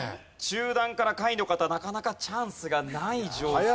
中段から下位の方なかなかチャンスがない状況。